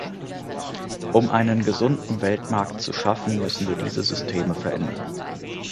Um einen gesunden Weltmarkt zu schaffen, müssen wir diese Systeme verändern.